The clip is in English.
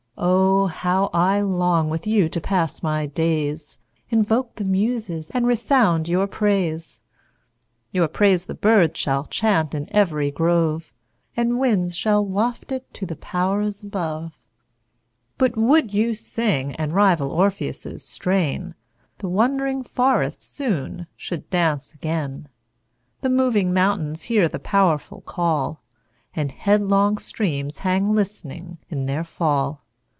Oh! How I long with you to pass my days, Invoke the muses, and resound your praise; Your praise the birds shall chant in ev'ry grove, And winds shall waft it to the pow'rs above. But wou'd you sing, and rival Orpheus' strain, The wond'ring forests soon shou'd dance again, The moving mountains hear the pow'rful call, And headlong streams hang list'ning in their fall!